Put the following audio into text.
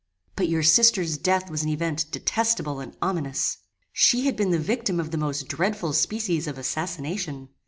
"But your sister's death was an event detestable and ominous. She had been the victim of the most dreadful species of assassination.